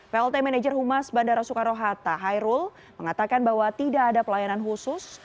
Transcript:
plt manager humas bandara soekarno hatta hairul mengatakan bahwa tidak ada pelayanan khusus